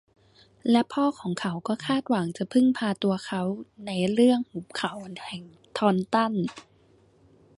และพ่อของเขาก็คาดหวังจะพึ่งพาตัวเขาในเรื่องหุบเขาแห่งทอนตัน